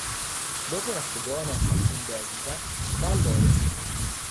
Dopo una stagione al in Bundesliga, va al Lorient.